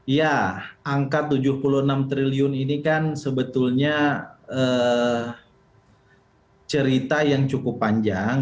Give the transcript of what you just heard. ya angka tujuh puluh enam triliun ini kan sebetulnya cerita yang cukup panjang